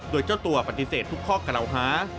โดยเจ้าตัวปฏิเสธทุกข้อกระเหล้าฮา